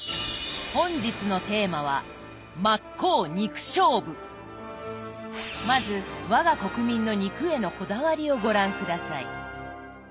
本日のテーマはまず我が国民の肉へのこだわりをご覧下さい。